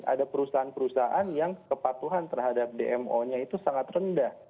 ada perusahaan perusahaan yang kepatuhan terhadap dmo nya itu sangat rendah